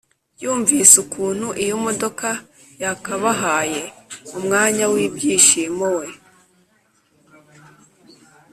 yumvise ukuntu iyomodoka yakabahaye umanya wibyishimo we